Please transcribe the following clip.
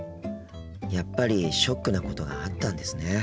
やっぱりショックなことがあったんですね。